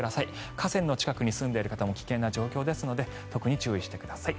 河川の近くに住んでいる方も危険な状況なので特に気をつけてください。